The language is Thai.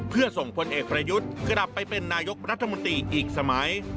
เพื่อส่งพลเอกประยุทธ์กลับไปเป็นนายกรัฐมนตรีอีกสมัย